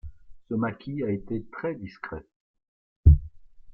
Ce maquis a été très discret.